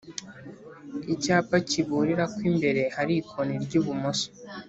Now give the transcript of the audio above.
Icyapa kiburira ko imbere hari ikoni ry'ibumoso